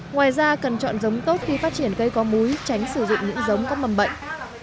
ngoài ra cần chọn giống tốt khi phát triển cây có múi tránh sử dụng những giống có mầm bệnh